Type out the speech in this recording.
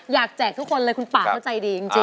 อยากแจกทุกคนเลยคุณปากเข้าใจดีจริง